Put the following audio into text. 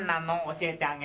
教えてあげて。